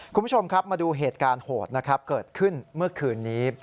คุณผู้ชมครับมาดูเหตุการณ์โหดนะครับเกิดขึ้นเมื่อคืนนี้